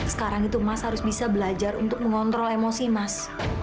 sekarang itu mas harus bisa belajar untuk mengontrol emosi mas